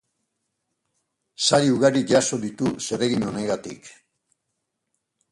Sari ugari jaso ditu zeregin honegatik.